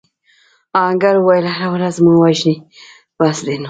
آهنګر وویل هره ورځ مو وژني بس دی نور.